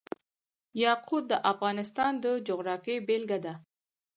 یاقوت د افغانستان د جغرافیې بېلګه ده.